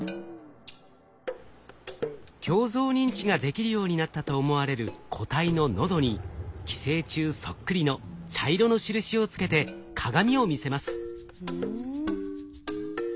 鏡像認知ができるようになったと思われる個体の喉に寄生虫そっくりの茶色の印をつけて鏡を見せます。